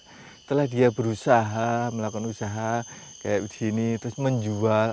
setelah dia berusaha melakukan usaha kayak begini terus menjual